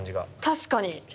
確かに。